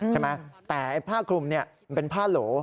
ใช่ไหมแต่ผ้าคลุมมันเป็นผ้าโหล